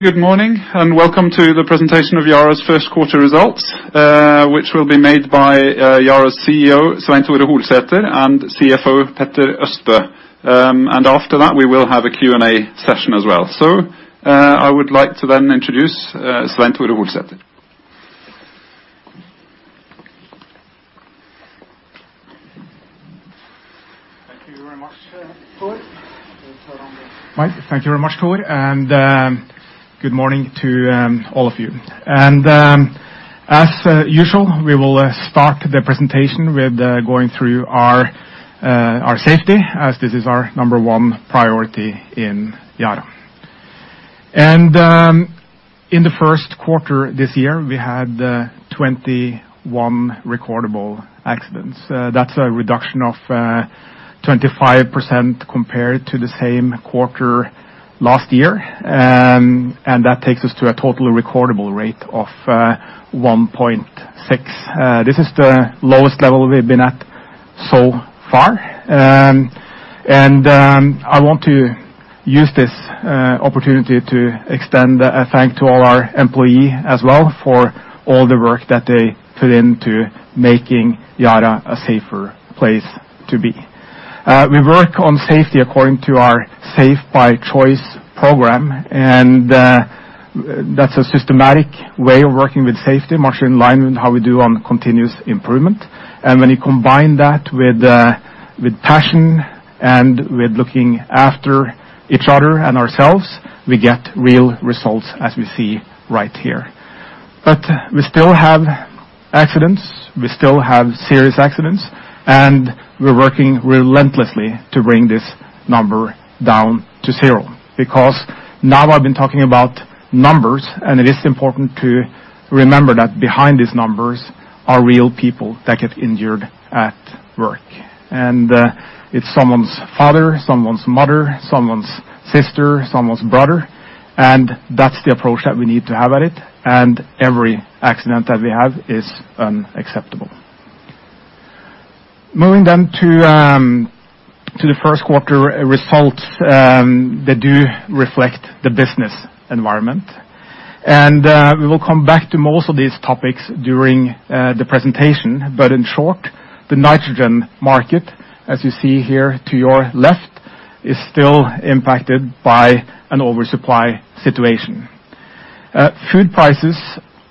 Good morning. Welcome to the presentation of Yara's first quarter results, which will be made by Yara's CEO, Svein Tore Holsether, and CFO Petter Østbø. After that, we will have a Q&A session as well. I would like to then introduce Svein Tore Holsether. Thank you very much, Thor. Thank you very much, Thor. Good morning to all of you. As usual, we will start the presentation with going through our safety, as this is our number one priority in Yara. In the first quarter this year, we had 21 recordable accidents. That's a reduction of 25% compared to the same quarter last year. That takes us to a total recordable rate of 1.6. This is the lowest level we've been at so far. I want to use this opportunity to extend a thank to all our employee as well for all the work that they put into making Yara a safer place to be. We work on safety according to our Safe by Choice program, and that's a systematic way of working with safety, much in line with how we do on continuous improvement. When you combine that with passion and with looking after each other and ourselves, we get real results, as we see right here. We still have accidents, we still have serious accidents, and we're working relentlessly to bring this number down to zero. Now I've been talking about numbers, and it is important to remember that behind these numbers are real people that get injured at work. It's someone's father, someone's mother, someone's sister, someone's brother. That's the approach that we need to have at it. Every accident that we have is unacceptable. Moving then to the first quarter results that do reflect the business environment. We will come back to most of these topics during the presentation. In short, the nitrogen market, as you see here to your left, is still impacted by an oversupply situation. Food prices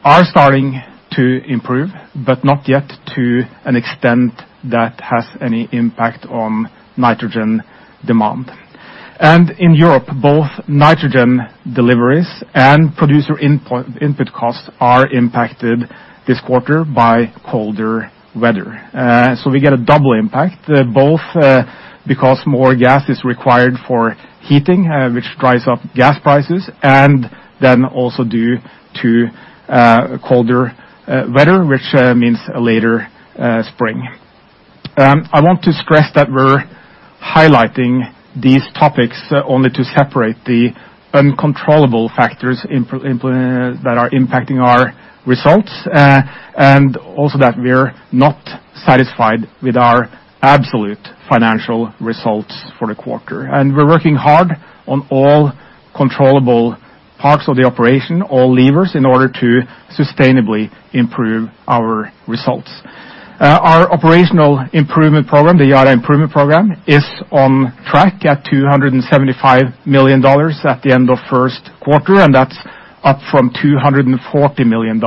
are starting to improve, but not yet to an extent that has any impact on nitrogen demand. In Europe, both nitrogen deliveries and producer input costs are impacted this quarter by colder weather. We get a double impact, both because more gas is required for heating, which drives up gas prices, and then also due to colder weather, which means a later spring. I want to stress that we're highlighting these topics only to separate the uncontrollable factors that are impacting our results, and also that we're not satisfied with our absolute financial results for the quarter. We're working hard on all controllable parts of the operation, all levers, in order to sustainably improve our results. Our operational improvement program, the Yara Improvement Program, is on track at $275 million at the end of first quarter, and that's up from $240 million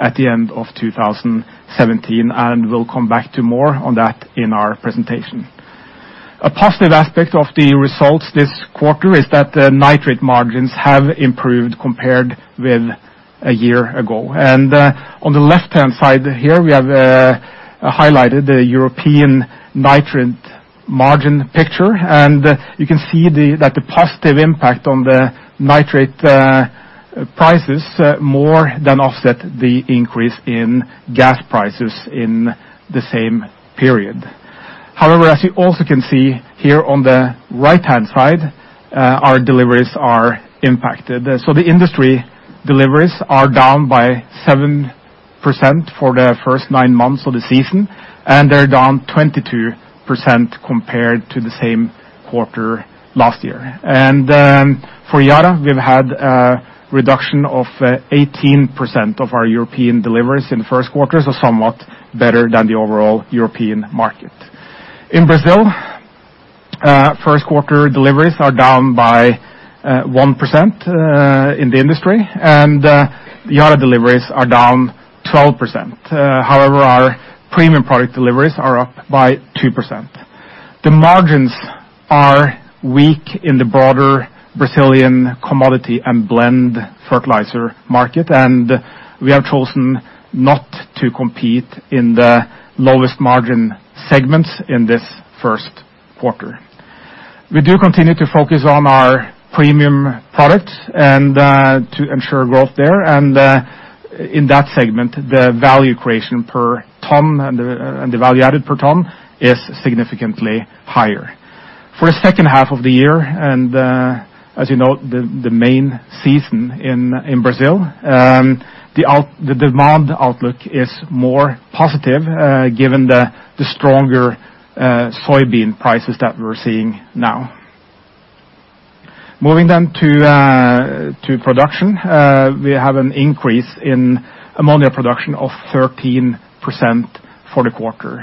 at the end of 2017. We'll come back to more on that in our presentation. A positive aspect of the results this quarter is that nitrate margins have improved compared with a year ago. On the left-hand side here, we have highlighted the European nitrate margin picture. You can see that the positive impact on the nitrate prices more than offset the increase in gas prices in the same period. As you also can see here on the right-hand side, our deliveries are impacted. The industry deliveries are down by 7% for the first nine months of the season, and they're down 22% compared to the same quarter last year. For Yara, we've had a reduction of 18% of our European deliveries in the first quarter, so somewhat better than the overall European market. In Brazil, first quarter deliveries are down by 1% in the industry, and Yara deliveries are down 12%. Our premium product deliveries are up by 2%. The margins are weak in the broader Brazilian commodity and blend fertilizer market, and we have chosen not to compete in the lowest margin segments in this first quarter. We do continue to focus on our premium products and to ensure growth there. In that segment, the value creation per ton and the value added per ton is significantly higher. For the second half of the year, as you know, the main season in Brazil, the demand outlook is more positive given the stronger soybean prices that we're seeing now. Moving to production. We have an increase in ammonia production of 13% for the quarter.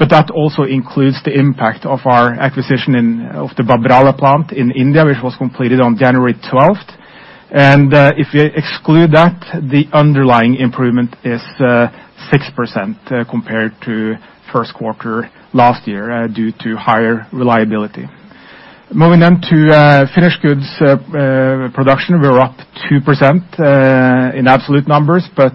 That also includes the impact of our acquisition of the Babrala plant in India, which was completed on January 12th. If you exclude that, the underlying improvement is 6% compared to first quarter last year, due to higher reliability. Moving to finished goods production. We're up 2% in absolute numbers, but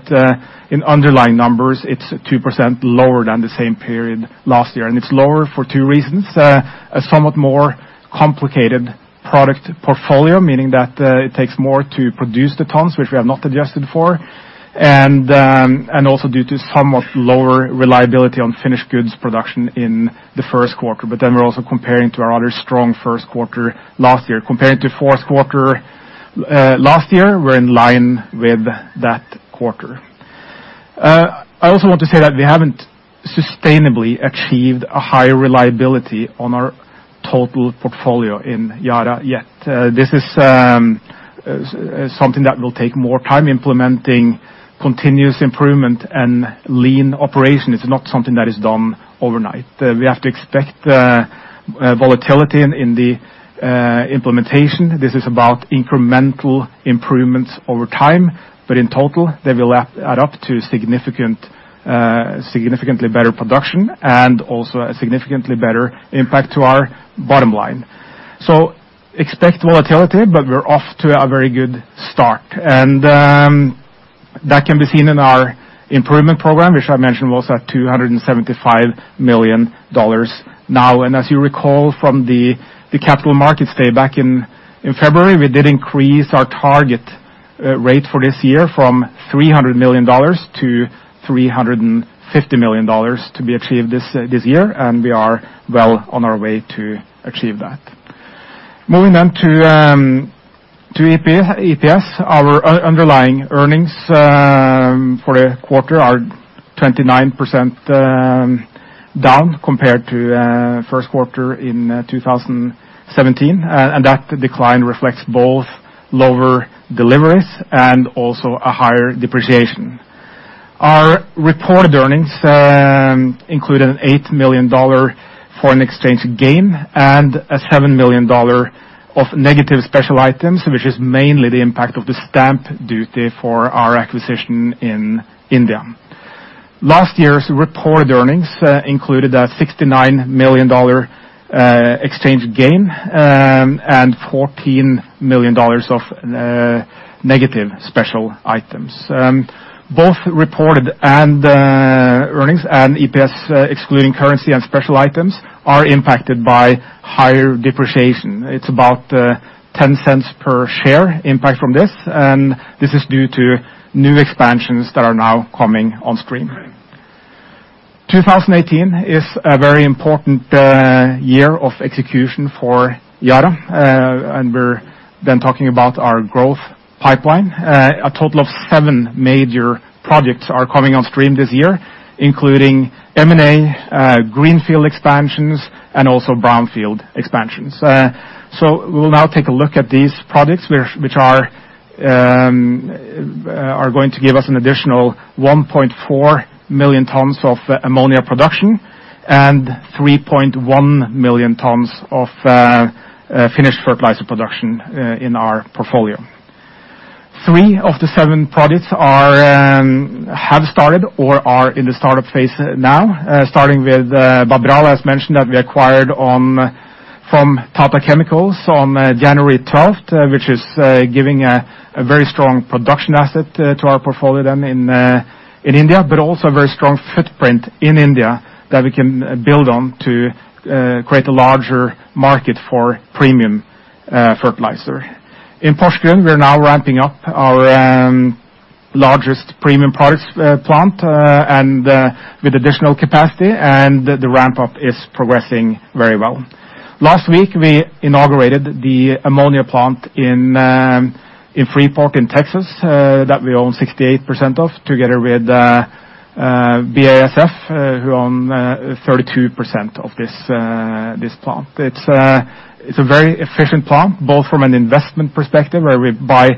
in underlying numbers it's 2% lower than the same period last year. It's lower for two reasons. A somewhat more complicated product portfolio, meaning that it takes more to produce the tons, which we have not adjusted for. Also due to somewhat lower reliability on finished goods production in the first quarter. But then we're also comparing to our other strong first quarter last year. Compared to fourth quarter last year, we're in line with that quarter. I also want to say that we haven't sustainably achieved a higher reliability on our total portfolio in Yara yet. This is something that will take more time implementing continuous improvement and lean operation. It's not something that is done overnight. We have to expect volatility in the implementation. This is about incremental improvements over time, but in total, they will add up to significantly better production and also a significantly better impact to our bottom line. Expect volatility, but we're off to a very good start. That can be seen in our improvement program, which I mentioned was at $275 million now. As you recall from the capital markets day back in February, we did increase our target rate for this year from $300 million to $350 million to be achieved this year. We are well on our way to achieve that. Moving to EPS. Our underlying earnings for the quarter are 29% down compared to first quarter in 2017, and that decline reflects both lower deliveries and also a higher depreciation. Our reported earnings include an $8 million foreign exchange gain and a $7 million of negative special items, which is mainly the impact of the stamp duty for our acquisition in India. Last year's reported earnings included a $69 million exchange gain and $14 million of negative special items. Both reported earnings and EPS, excluding currency and special items, are impacted by higher depreciation. It's about $0.10 per share impact from this, and this is due to new expansions that are now coming on stream. 2018 is a very important year of execution for Yara. We're talking about our growth pipeline. A total of 7 major projects are coming on stream this year, including M&A greenfield expansions and also brownfield expansions. We will now take a look at these projects, which are going to give us an additional 1.4 million tons of ammonia production and 3.1 million tons of finished fertilizer production in our portfolio. 3 of the 7 projects have started or are in the startup phase now, starting with Babrala, as mentioned, that we acquired from Tata Chemicals on January 12th, which is giving a very strong production asset to our portfolio in India, but also a very strong footprint in India that we can build on to create a larger market for premium fertilizer. In Porsgrunn, we are now ramping up our largest premium plant with additional capacity, and the ramp-up is progressing very well. Last week, we inaugurated the ammonia plant in Freeport, in Texas, that we own 68% of, together with BASF, who own 32% of this plant. It's a very efficient plant, both from an investment perspective where we buy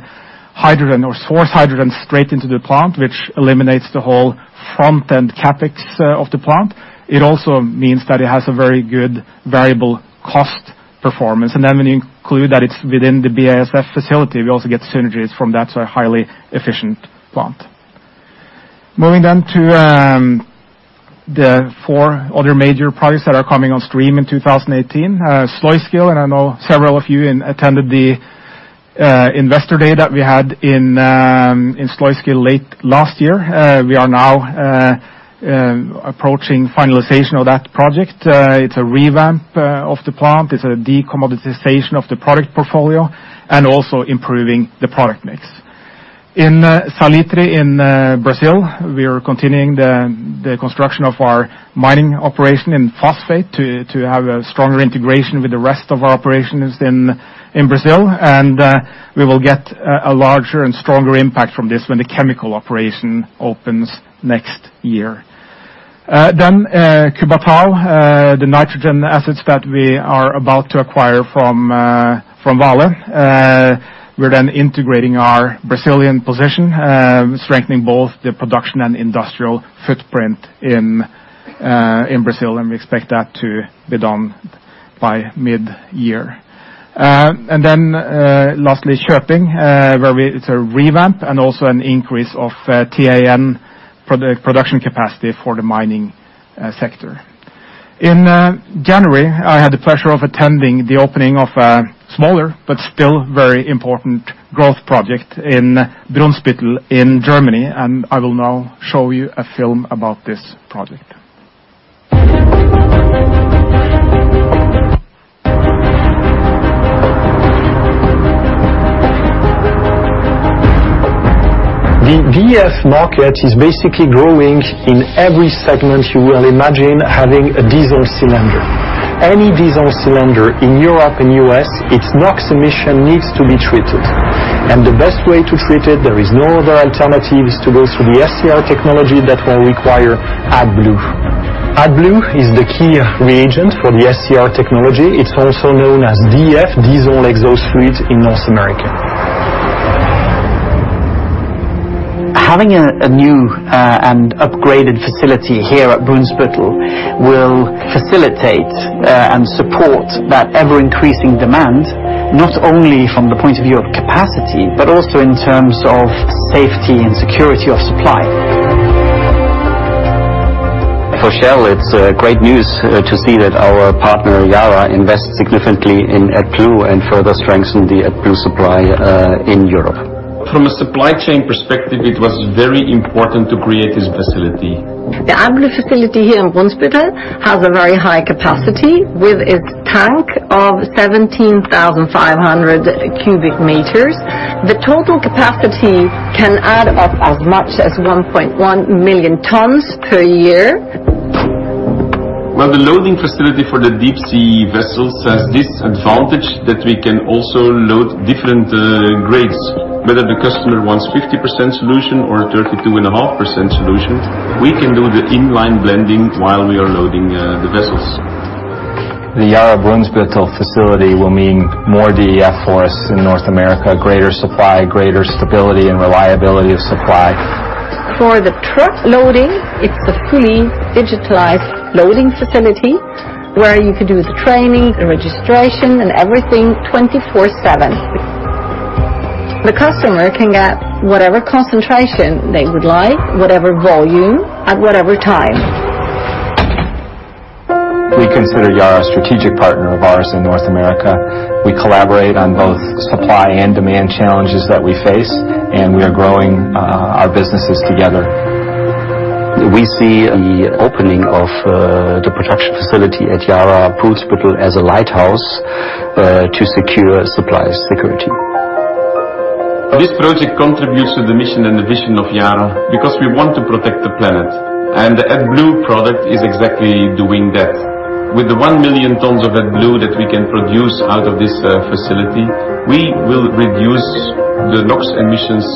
hydrogen or source hydrogen straight into the plant, which eliminates the whole front-end CapEx of the plant. It also means that it has a very good variable cost performance. When you include that it's within the BASF facility, we also get synergies from that. A highly efficient plant. Moving to the 4 other major projects that are coming on stream in 2018. Sluiskil. I know several of you attended the investor day that we had in Sluiskil late last year. We are now approaching finalization of that project. It's a revamp of the plant. It's a decommoditization of the product portfolio and also improving the product mix. In Salitre, in Brazil, we are continuing the construction of our mining operation in phosphate to have a stronger integration with the rest of our operations in Brazil. We will get a larger and stronger impact from this when the chemical operation opens next year. Cubatão, the nitrogen assets that we are about to acquire from Vale. We are integrating our Brazilian position, strengthening both the production and industrial footprint in Brazil, and we expect that to be done by mid-year. Lastly, Köping, where it's a revamp and also an increase of TAN production capacity for the mining sector. In January, I had the pleasure of attending the opening of a smaller but still very important growth project in Brunsbüttel in Germany, and I will now show you a film about this project. The DEF market is basically growing in every segment you will imagine having a diesel cylinder. Any diesel cylinder in Europe and U.S., its NOx emission needs to be treated. The best way to treat it, there is no other alternative, is to go through the SCR technology that will require AdBlue. AdBlue is the key reagent for the SCR technology. It's also known as DEF, diesel exhaust fluid, in North America. Having a new and upgraded facility here at Brunsbüttel will facilitate and support that ever-increasing demand, not only from the point of view of capacity, but also in terms of safety and security of supply. For Shell, it's great news to see that our partner, Yara, invest significantly in AdBlue and further strengthen the AdBlue supply in Europe. From a supply chain perspective, it was very important to create this facility. The AdBlue facility here in Brunsbüttel has a very high capacity with its tank of 17,500 cubic meters. The total capacity can add up as much as 1.1 million tons per year. Well, the loading facility for the deep sea vessels has this advantage that we can also load different grades. Whether the customer wants 50% solution or 32.5% solution, we can do the in-line blending while we are loading the vessels. The Yara Brunsbüttel facility will mean more DEF for us in North America, greater supply, greater stability, and reliability of supply. For the truck loading, it's a fully digitalized loading facility where you could do the training, the registration, and everything 24/7. The customer can get whatever concentration they would like, whatever volume, at whatever time. We consider Yara a strategic partner of ours in North America. We collaborate on both supply and demand challenges that we face, and we are growing our businesses together. We see the opening of the production facility at Yara Brunsbüttel as a lighthouse to secure supply security. This project contributes to the mission and the vision of Yara, because we want to protect the planet, and the AdBlue product is exactly doing that. With the 1 million tons of AdBlue that we can produce out of this facility, we will reduce the NOx emissions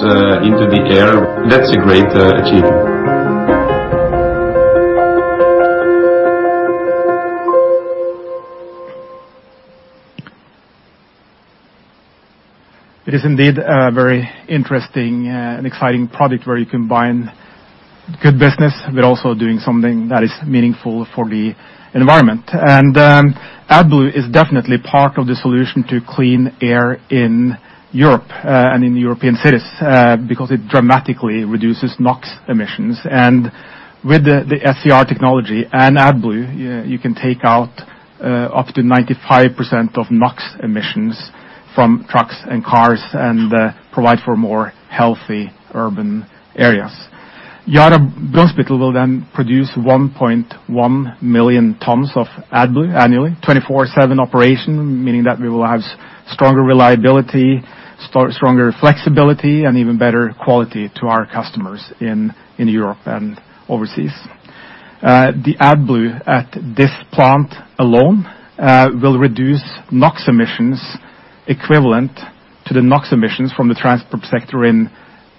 into the air. That's a great achievement. It is indeed a very interesting and exciting project where you combine good business, but also doing something that is meaningful for the environment. AdBlue is definitely part of the solution to clean air in Europe and in European cities, because it dramatically reduces NOx emissions. With the SCR technology and AdBlue, you can take out up to 95% of NOx emissions from trucks and cars and provide for more healthy urban areas. Yara Brunsbüttel will produce 1.1 million tons of AdBlue annually. 24/7 operation, meaning that we will have stronger reliability, stronger flexibility, and even better quality to our customers in Europe and overseas. The AdBlue at this plant alone will reduce NOx emissions equivalent to the NOx emissions from the transport sector in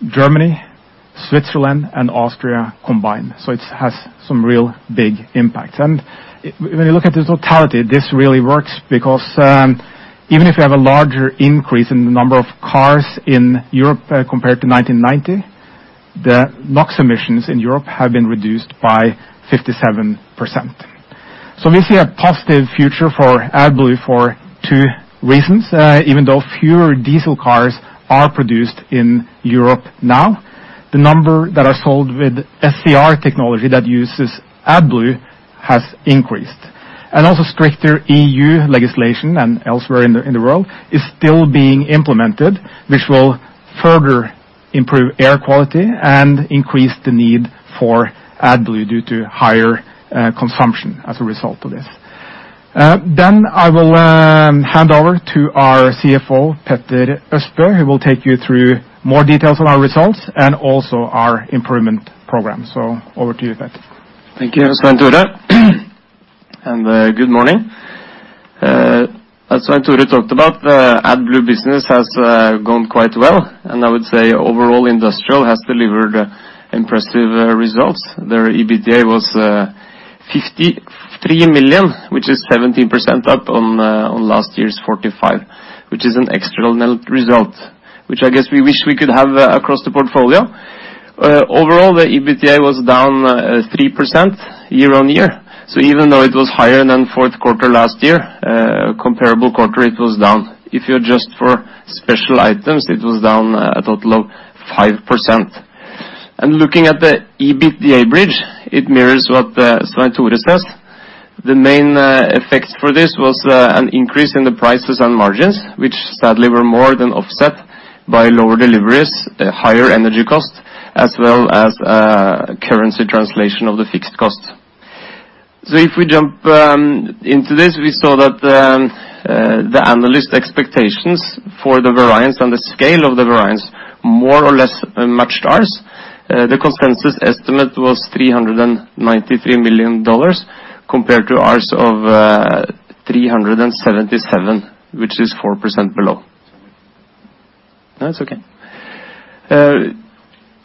Germany, Switzerland, and Austria combined. It has some real big impact. When you look at this totality, this really works because even if you have a larger increase in the number of cars in Europe compared to 1990, the NOx emissions in Europe have been reduced by 57%. We see a positive future for AdBlue for two reasons. Even though fewer diesel cars are produced in Europe now, the number that are sold with SCR technology that uses AdBlue has increased. Also stricter EU legislation and elsewhere in the world is still being implemented, which will further improve air quality and increase the need for AdBlue due to higher consumption as a result of this. I will hand over to our CFO, Petter Østbø, who will take you through more details on our results and also our improvement program. Over to you, Petter. Thank you, Svein Tore. Good morning. As Svein Tore talked about, AdBlue business has gone quite well, and I would say overall industrial has delivered impressive results. Their EBITDA was $53 million, which is 17% up on last year's $45 million, which is an extraordinary result, which I guess we wish we could have across the portfolio. Overall, the EBITDA was down 3% year-on-year. Even though it was higher than the fourth quarter last year, comparable quarter, it was down. If you adjust for special items, it was down a total of 5%. Looking at the EBITDA bridge, it mirrors what Svein Tore says. The main effect for this was an increase in the prices and margins, which sadly were more than offset by lower deliveries, higher energy costs, as well as currency translation of the fixed costs. If we jump into this, we saw that the analyst expectations for the variance on the scale of the variance more or less matched ours. The consensus estimate was $393 million compared to ours of $377 million, which is 4% below. No, it's okay.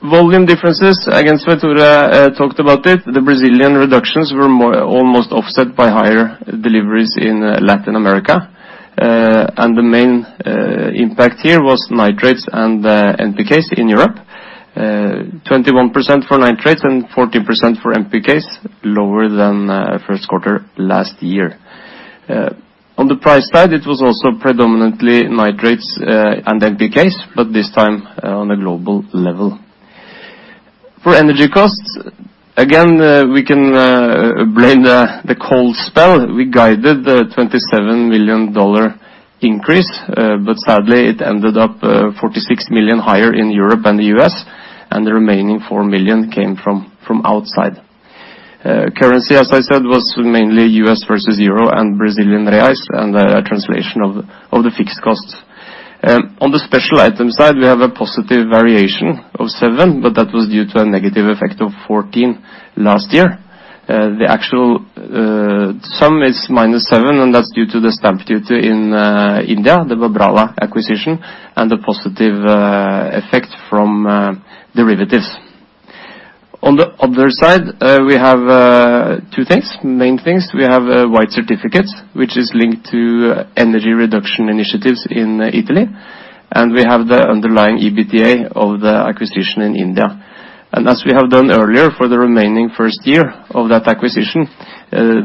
Volume differences, again, Svein Tore talked about it. The Brazilian reductions were almost offset by higher deliveries in Latin America. The main impact here was nitrates and NPKs in Europe. 21% for nitrates and 14% for NPKs, lower than first quarter last year. On the price side, it was also predominantly nitrates and NPKs, but this time on a global level. For energy costs, again, we can blame the cold spell. We guided $27 million increase, but sadly it ended up $46 million higher in Europe and the U.S., and the remaining $4 million came from outside. Currency, as I said, was mainly U.S. versus EUR and BRL and a translation of the fixed costs. On the special item side, we have a positive variation of 7, but that was due to a negative effect of 14 last year. The actual sum is -7, and that's due to the stamp duty in India, the Babrala acquisition, and the positive effect from derivatives. On the other side, we have two main things. We have white certificates, which is linked to energy reduction initiatives in Italy, and we have the underlying EBITDA of the acquisition in India. As we have done earlier, for the remaining first year of that acquisition,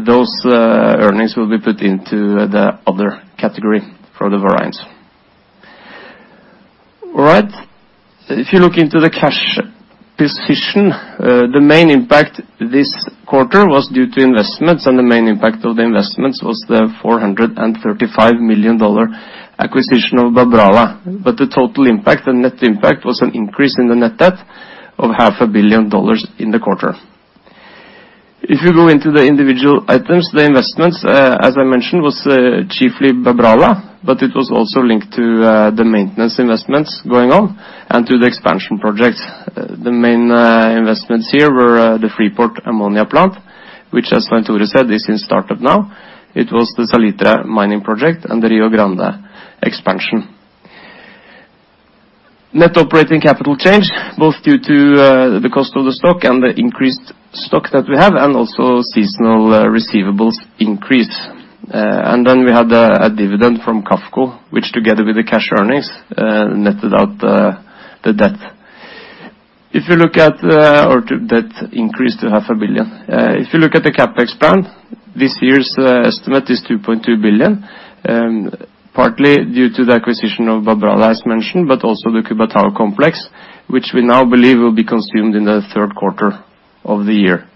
those earnings will be put into the other category for the variance. All right. If you look into the cash position, the main impact this quarter was due to investments. The main impact of the investments was the $435 million acquisition of Babrala. The total impact and net impact was an increase in the net debt of half a billion dollars in the quarter. If you go into the individual items, the investments, as I mentioned, was chiefly Babrala, but it was also linked to the maintenance investments going on and to the expansion projects. The main investments here were the Freeport Ammonia Plant, which as Svein Tore said, is in startup now. It was the Salitre mining project and the Rio Grande expansion. Net operating capital change, both due to the cost of the stock and the increased stock that we have and also seasonal receivables increase. We had a dividend from KAFCO, which together with the cash earnings, netted out the debt increase to half a billion dollars. If you look at the CapEx plan, this year's estimate is $2.2 billion, partly due to the acquisition of Babrala as mentioned, but also the Cubatão complex, which we now believe will be consumed in the third quarter of the year.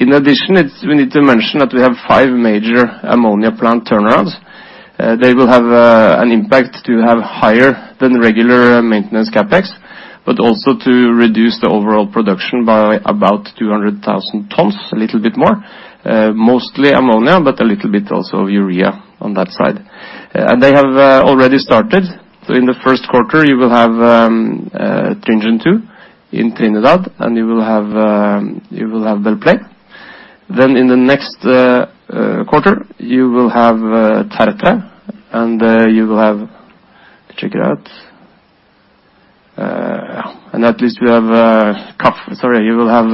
In addition, we need to mention that we have five major ammonia plant turnarounds. They will have an impact to have higher than regular maintenance CapEx, but also to reduce the overall production by about 200,000 tons, a little bit more. Mostly ammonia, but a little bit also urea on that side. They have already started. In the first quarter you will have Tringen II in Trinidad and you will have Belle Plaine. In the next quarter, you will have Tertre and you will have Brunsbüttel. At least you have a— Sorry, you will have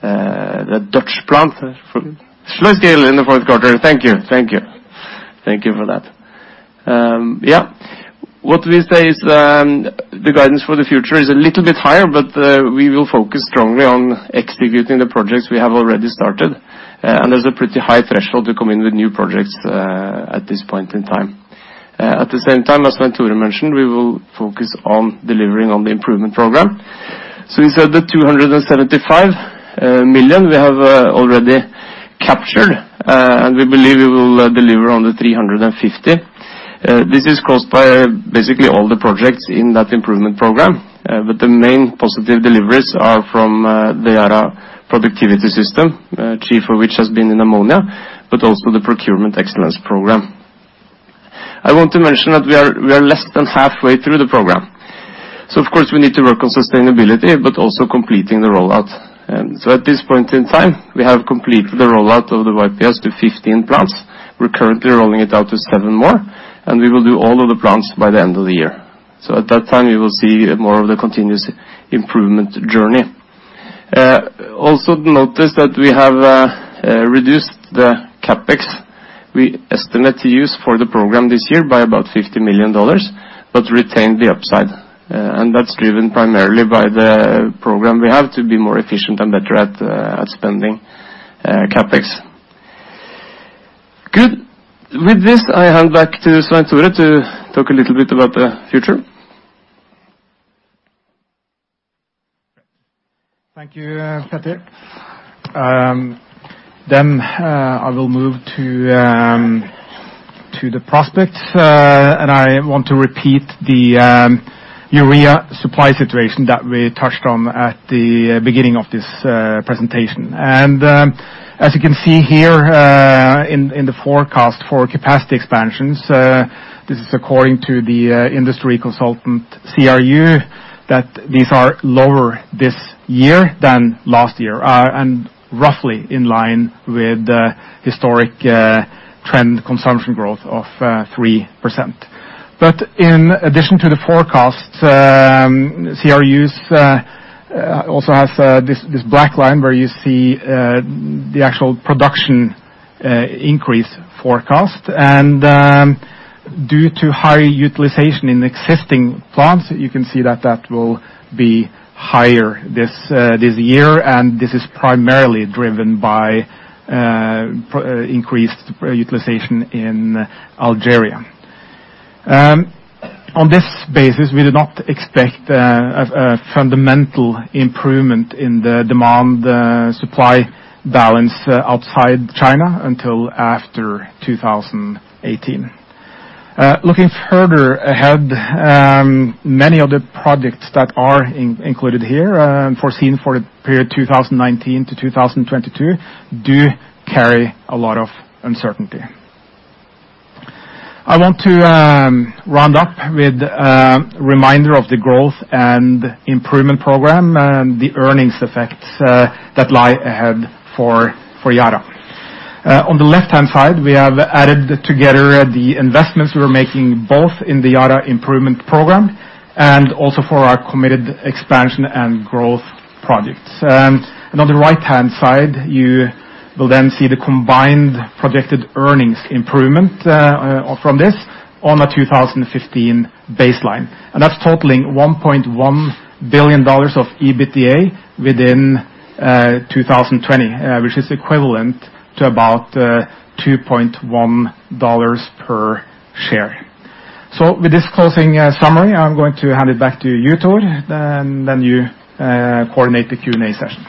the Dutch plant, Sluiskil, in the fourth quarter. Thank you. Thank you for that. What we say is the guidance for the future is a little bit higher, but we will focus strongly on executing the projects we have already started. There's a pretty high threshold to come in with new projects at this point in time. At the same time, as Svein Tore mentioned, we will focus on delivering on the Yara Improvement Program. We said the $275 million we have already captured, and we believe we will deliver on the $350 million. This is caused by basically all the projects in that Yara Improvement Program, but the main positive deliveries are from the Yara Productivity System, chief of which has been in ammonia, but also the procurement excellence program. I want to mention that we are less than halfway through the program. Of course we need to work on sustainability, but also completing the rollout. At this point in time, we have completed the rollout of the YPS to 15 plants. We're currently rolling it out to seven more, and we will do all of the plants by the end of the year. At that time, you will see more of the continuous improvement journey. Also notice that we have reduced the CapEx we estimate to use for the program this year by about $50 million, but retain the upside. That's driven primarily by the program we have to be more efficient and better at spending CapEx. Good. With this, I hand back to Svein Tore to talk a little bit about the future. Thank you, Petter. I will move to the prospects, and I want to repeat the urea supply situation that we touched on at the beginning of this presentation. As you can see here, in the forecast for capacity expansions, this is according to the industry consultant, CRU, that these are lower this year than last year, and roughly in line with the historic trend consumption growth of 3%. In addition to the forecast, CRU also has this black line where you see the actual production increase forecast. Due to high utilization in existing plants, you can see that that will be higher this year, and this is primarily driven by increased utilization in Algeria. On this basis, we do not expect a fundamental improvement in the demand-supply balance outside China until after 2018. Looking further ahead, many of the projects that are included here, foreseen for the period 2019 to 2022, do carry a lot of uncertainty. I want to round up with a reminder of the growth and Improvement Program, the earnings effects that lie ahead for Yara. On the left-hand side, we have added together the investments we're making both in the Yara Improvement Program and also for our committed expansion and growth projects. On the right-hand side, you will then see the combined projected earnings improvement from this on a 2015 baseline. That's totaling $1.1 billion of EBITDA within 2020, which is equivalent to about $2.1 per share. With this closing summary, I'm going to hand it back to you, Thor, you coordinate the Q&A session.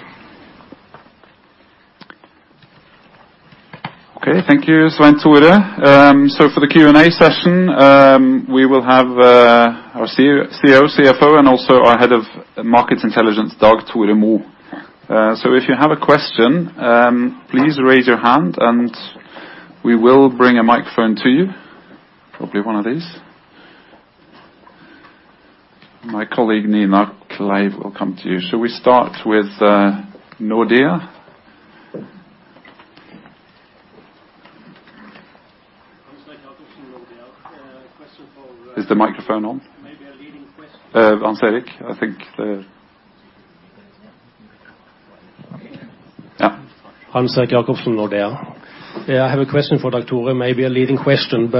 Thank you, Svein Tore. For the Q&A session, we will have our CEO, CFO, and also our Head of Market Intelligence, Dag Tore Mo. If you have a question, please raise your hand and we will bring a microphone to you. Probably one of these. My colleague, Nina Kleiv, will come to you. Shall we start with Nordea? Hans-Erik Jacobsen, Nordea. Is the microphone on? Maybe a leading question. Hans Erik, I think the Yeah. Hans-Erik Jacobsen, Nordea. I have a question for Dag Tore. Maybe a leading question,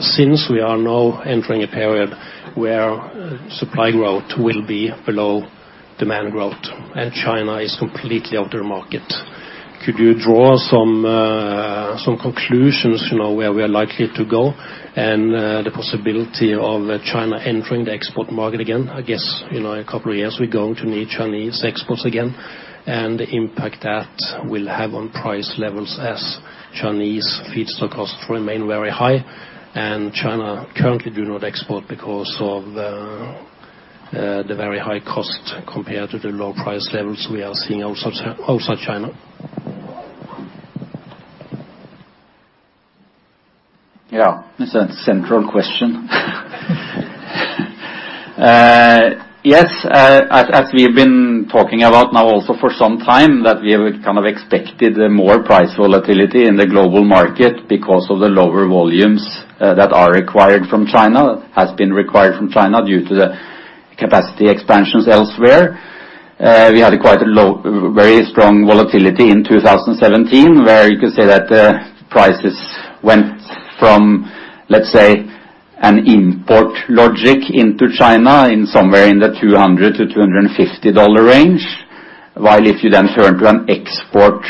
since we are now entering a period where supply growth will be below demand growth and China is completely out of the market. Could you draw some conclusions, where we are likely to go and the possibility of China entering the export market again? I guess, in a couple of years, we're going to need Chinese exports again, and the impact that will have on price levels as Chinese feedstock costs remain very high and China currently do not export because of the very high cost compared to the low price levels we are seeing outside China. It's a central question. Yes, as we've been talking about now also for some time, that we have kind of expected more price volatility in the global market because of the lower volumes that are required from China, has been required from China due to the capacity expansions elsewhere. We had a very strong volatility in 2017, where you could say that prices went from, let's say, an import logic into China in somewhere in the $200-$250 range. While if you then turn to an export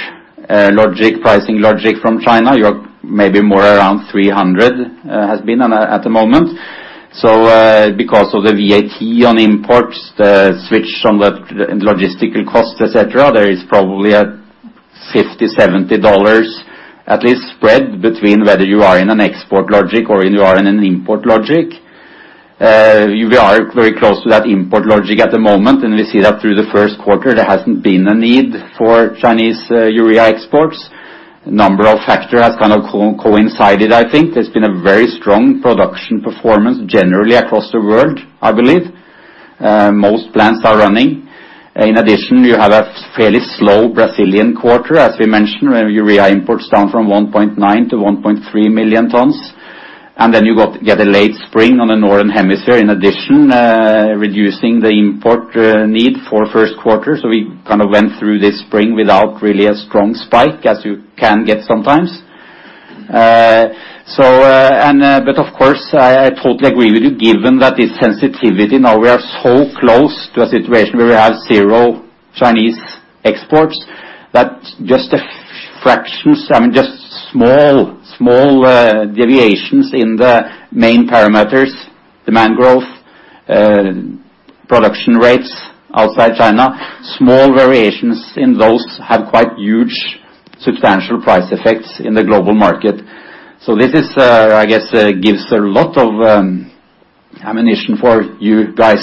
logic, pricing logic from China, you're maybe more around $300, has been at the moment. Because of the VAT on imports, the switch on the logistical cost, et cetera, there is probably a $50-$70 at least spread between whether you are in an export logic or you are in an import logic. We are very close to that import logic at the moment, we see that through the first quarter, there hasn't been a need for Chinese urea exports. Number of factors has coincided, I think. There's been a very strong production performance generally across the world, I believe. Most plants are running. In addition, you have a fairly slow Brazilian quarter, as we mentioned, where urea imports down from 1.9 million-1.3 million tons. You get a late spring on the northern hemisphere, in addition, reducing the import need for first quarter. We went through this spring without really a strong spike as you can get sometimes. Of course, I totally agree with you, given that this sensitivity, now we are so close to a situation where we have zero Chinese exports, that just a fraction, just small deviations in the main parameters, demand growth, production rates outside China. Small variations in those have quite huge substantial price effects in the global market. This, I guess, gives a lot of ammunition for you guys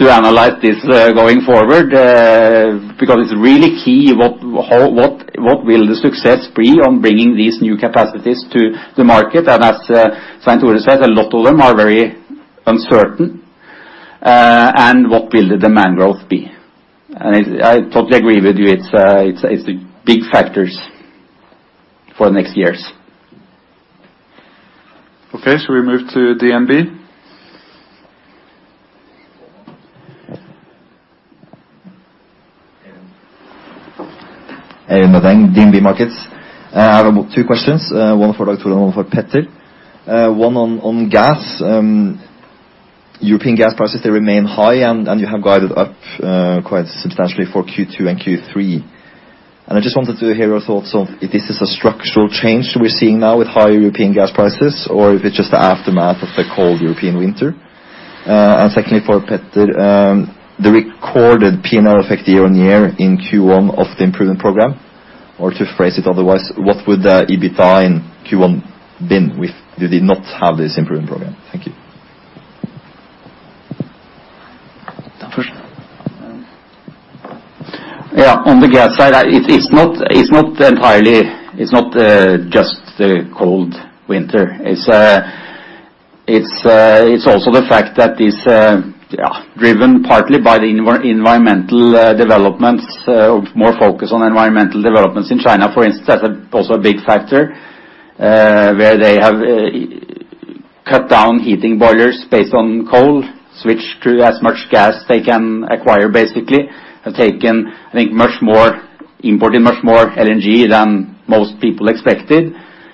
to analyze this going forward, because it is really key, what will the success be on bringing these new capacities to the market? As Svein Tore said, a lot of them are very uncertain. What will the demand growth be? I totally agree with you. It is the big factors for the next years. Okay, shall we move to DNB? Eivind Nadheim, DNB Markets. I have two questions, one for Dag Tore and one for Petter. One on gas. European gas prices, they remain high, and you have guided up quite substantially for Q2 and Q3. I just wanted to hear your thoughts on if this is a structural change we are seeing now with higher European gas prices, or if it is just the aftermath of the cold European winter. Secondly, for Petter, the recorded P&L effect year-on-year in Q1 of the Yara Improvement Program. Or to phrase it otherwise, what would the EBITDA in Q1 been if you did not have this Yara Improvement Program? Thank you. Dag first. On the gas side, it is not just the cold winter. It is also the fact that it is driven partly by the environmental developments, more focus on environmental developments in China, for instance, that is also a big factor, where they have cut down heating boilers based on coal, switched to as much gas they can acquire, basically, have imported much more LNG than most people expected.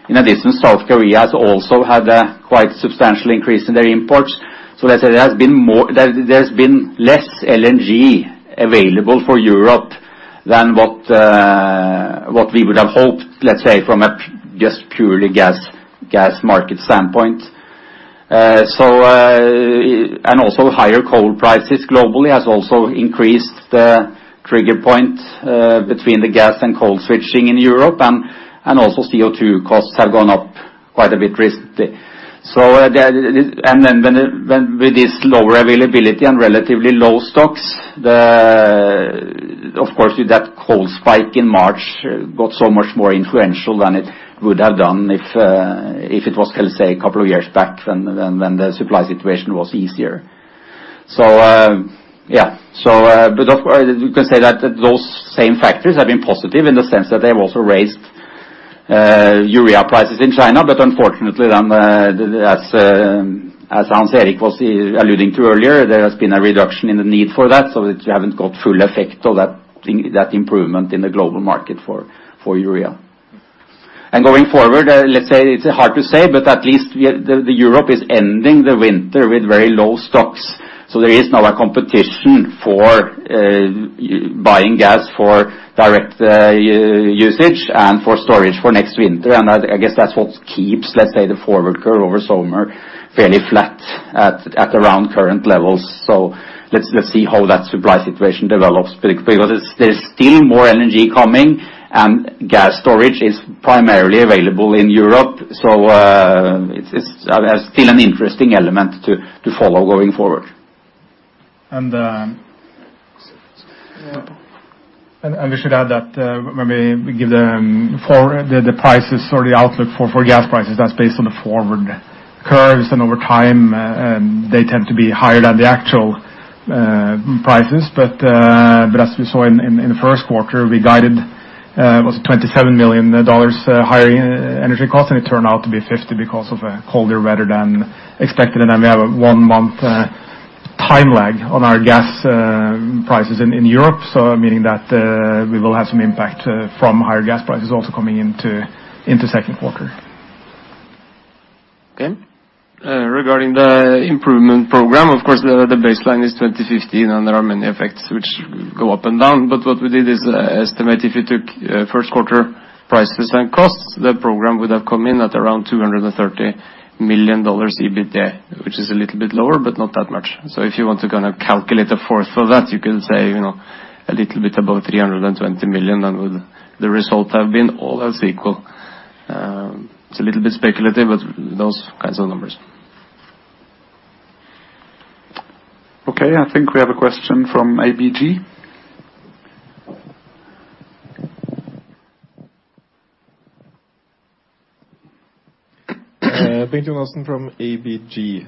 In addition, South Korea has also had a quite substantial increase in their imports. There has been less LNG available for Europe than what we would have hoped, let us say, from a just purely gas market standpoint. Also higher coal prices globally has also increased the trigger point between the gas and coal switching in Europe, and also CO2 costs have gone up quite a bit recently. With this lower availability and relatively low stocks, of course, with that coal spike in March, got so much more influential than it would have done if it was, let us say, a couple of years back when the supply situation was easier. You can say that those same factors have been positive in the sense that they have also raised urea prices in China, but unfortunately, as Hans-Erik was alluding to earlier, there has been a reduction in the need for that, so we haven't got full effect of that improvement in the global market for urea. Going forward, it is hard to say, but at least Europe is ending the winter with very low stocks. There is now a competition for buying gas for direct usage and for storage for next winter. I guess that's what keeps, let's say, the forward curve over summer fairly flat at around current levels. Let's see how that supply situation develops, because there's still more LNG coming, and gas storage is primarily available in Europe. There's still an interesting element to follow going forward. We should add that when we give the prices or the outlook for gas prices, that's based on the forward curves, and over time, they tend to be higher than the actual prices. As we saw in the first quarter, we guided, it was $27 million higher energy cost, and it turned out to be $50 million because of a colder weather than expected. Then we have a one-month time lag on our gas prices in Europe, meaning that we will have some impact from higher gas prices also coming into second quarter. Okay. Regarding the Yara Improvement Program, of course, the baseline is 2015. There are many effects which go up and down. What we did is estimate if you took first quarter prices and costs, the program would have come in at around $230 million EBITDA, which is a little bit lower. Not that much. If you want to kind of calculate the fourth of that, you could say, a little bit above $320 million, and the result have been all else equal. It's a little bit speculative, but those kinds of numbers. Okay, I think we have a question from ABG. Bengt Jonassen from ABG.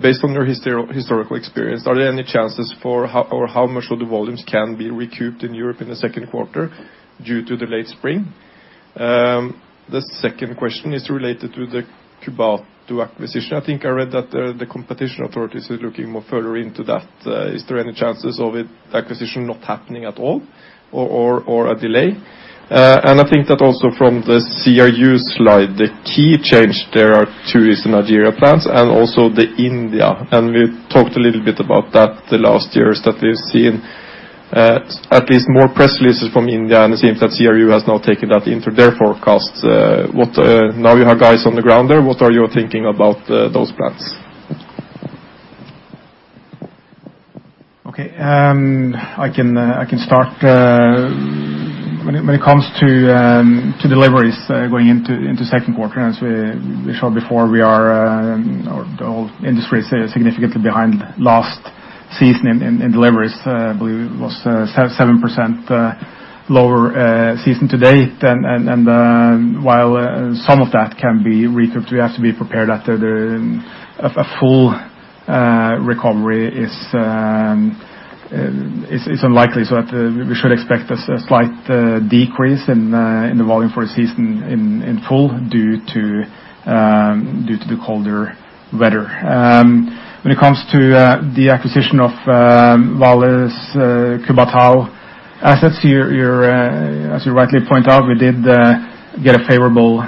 Based on your historical experience, are there any chances for, or how much of the volumes can be recouped in Europe in the second quarter due to the late spring? The second question is related to the Cubatão acquisition. I think I read that the competition authorities are looking more further into that. Is there any chances of acquisition not happening at all or a delay? I think that also from the CRU slide, the key change there are two is the Nigeria plants and also the India. We talked a little bit about that the last years that we've seen at least more press releases from India, and it seems that CRU has now taken that into their forecasts. Now you have guys on the ground there, what are you thinking about those plants? Okay. I can start. When it comes to deliveries going into second quarter, as we showed before, the whole industry is significantly behind last season in deliveries. I believe it was 7% lower season to date. While some of that can be recouped, we have to be prepared that a full recovery is unlikely. That we should expect a slight decrease in the volume for a season in full due to the colder weather. When it comes to the acquisition of Vale's Cubatão assets, as you rightly point out, we did get a favorable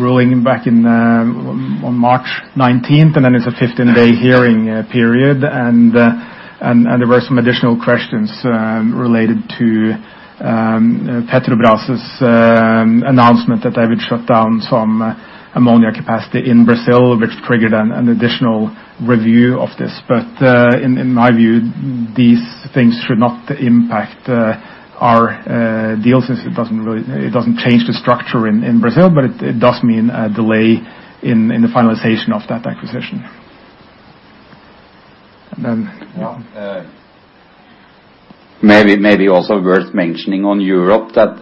ruling back on March 19th, and then it's a 15-day hearing period. There were some additional questions related to Petrobras's announcement that they would shut down some ammonia capacity in Brazil, which triggered an additional review of this. In my view, these things should not impact our deal since it doesn't change the structure in Brazil, but it does mean a delay in the finalization of that acquisition. Yeah. Maybe also worth mentioning on Europe that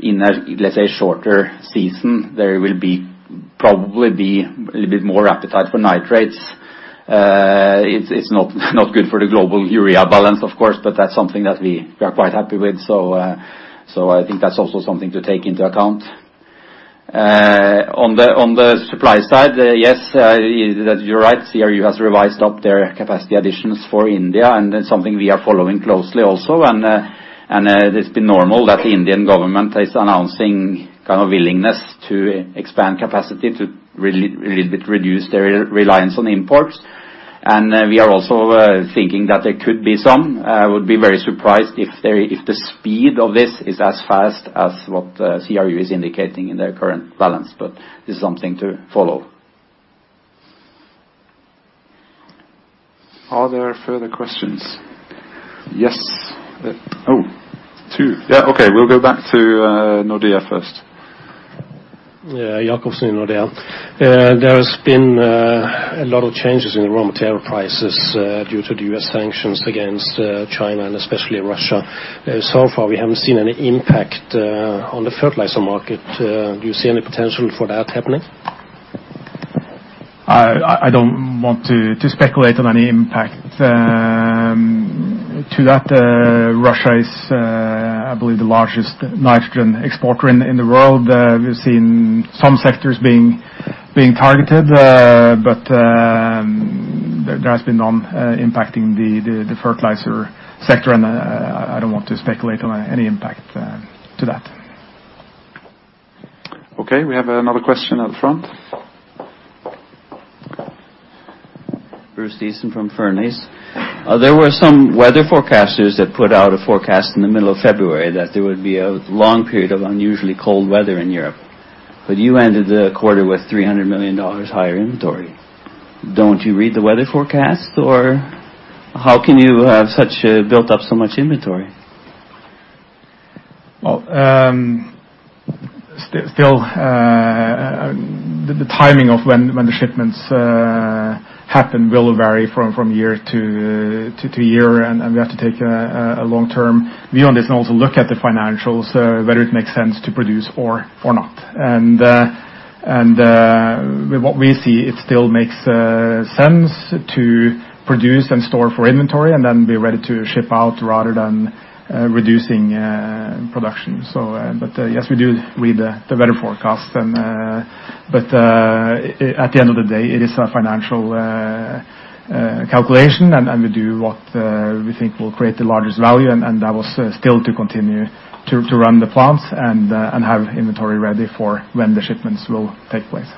in a, let's say, shorter season, there will probably be a little bit more appetite for nitrates. It's not good for the global urea balance, of course, but that's something that we are quite happy with. I think that's also something to take into account. On the supply side, yes, you're right. CRU has revised up their capacity additions for India, and that's something we are following closely also. It's been normal that the Indian government is announcing kind of willingness to expand capacity to a little bit reduce their reliance on imports. We are also thinking that there could be some. I would be very surprised if the speed of this is as fast as what CRU is indicating in their current balance. This is something to follow. Are there further questions? Yes. Oh, two. Yeah, okay. We will go back to Nordea first. Yeah, Jacobsen, Nordea. There has been a lot of changes in the raw material prices due to the U.S. sanctions against China and especially Russia. So far, we haven't seen any impact on the fertilizer market. Do you see any potential for that happening? I don't want to speculate on any impact to that. Russia is, I believe, the largest nitrogen exporter in the world. We've seen some sectors being targeted, but there has been none impacting the fertilizer sector, and I don't want to speculate on any impact to that. Okay, we have another question at the front. Bruce Easton from Furness. There were some weather forecasters that put out a forecast in the middle of February that there would be a long period of unusually cold weather in Europe. You ended the quarter with NOK 300 million higher inventory. Don't you read the weather forecast, or how can you have built up so much inventory? Well, still, the timing of when the shipments happen will vary from year to year, and we have to take a long-term view on this and also look at the financials, whether it makes sense to produce or not. With what we see, it still makes sense to produce and store for inventory and then be ready to ship out rather than reducing production. Yes, we do read the weather forecast. At the end of the day, it is a financial calculation, and we do what we think will create the largest value, and that was still to continue to run the plants and have inventory ready for when the shipments will take place.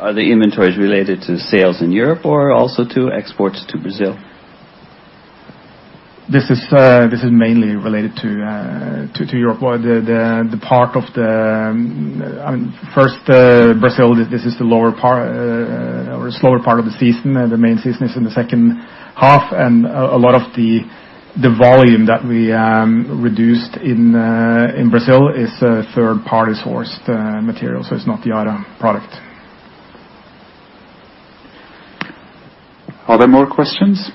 Are the inventories related to sales in Europe or also to exports to Brazil? This is mainly related to Europe or the part of Brazil, this is the lower part or slower part of the season. The main season is in the second half. A lot of the volume that we reduced in Brazil is third-party sourced material. It's not the Yara product. Are there more questions?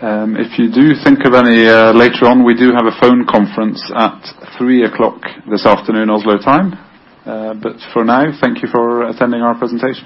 If you do think of any later on, we do have a phone conference at 3:00 this afternoon, Oslo time. For now, thank you for attending our presentation.